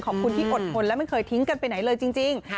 ขอบคุณที่อดทนและไม่เคยทิ้งกันไปไหนเลยจริง